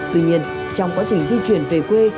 tuy nhiên trong quá trình di chuyển về quê